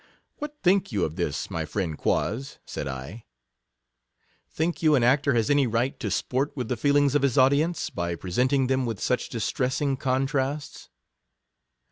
What think you of this, my friend Quoz ? said I ; think you an actor has any right to sport with the feelings of his audience, by present ing them with such distressing contrasts.